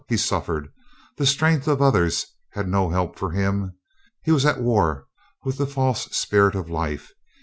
He suffered. The strength of others had no help for him. He was at war with the false spirit of life.